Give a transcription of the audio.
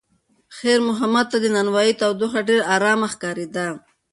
خیر محمد ته د نانوایۍ تودوخه ډېره ارامه ښکارېده.